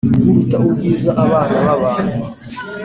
Uruta ubwiza abana b abantu